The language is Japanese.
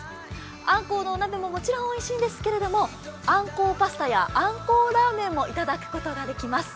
あんこうのお鍋ももちろん、おいしいんですけどあんこうパスタやあんこうラーメンも頂くことができます。